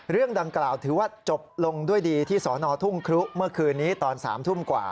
เรื่องดังกล่าวถือว่าจบลงด้วยดีที่สอนอทุ่งครุเมื่อคืนนี้ตอน๓ทุ่มกว่า